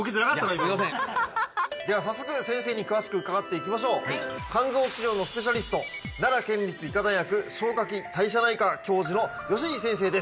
今いやすいませんでは早速先生に詳しく伺っていきましょう肝臓治療のスペシャリスト奈良県立医科大学消化器・代謝内科教授の治先生です